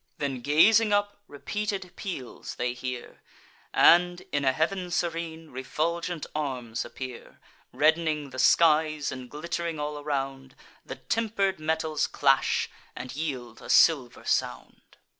Then, gazing up, repeated peals they hear; And, in a heav'n serene, refulgent arms appear: Redd'ning the skies, and glitt'ring all around, The temper'd metals clash, and yield a silver sound.